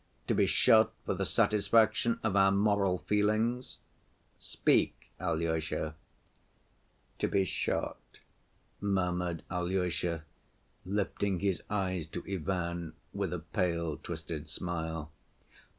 To be shot for the satisfaction of our moral feelings? Speak, Alyosha!" "To be shot," murmured Alyosha, lifting his eyes to Ivan with a pale, twisted smile.